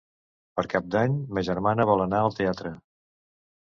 Per Cap d'Any ma germana vol anar al teatre.